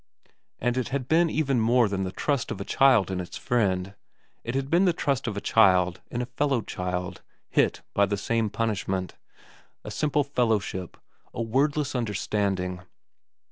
And it had been even more than the trust of a child in its friend : it had been the trust of a child in a fellow child hit by the same punishment, a simple fellowship, a wordless understanding.